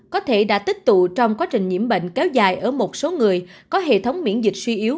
có thể đã tích tụ trong quá trình nhiễm bệnh kéo dài ở một số người có hệ thống miễn dịch suy yếu